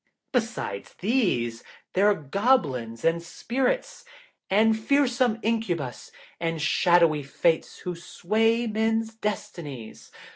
Besides these, there are Goblins and Spirits, and fearsome Incubas, and shadowy Fates who sway men's destinies.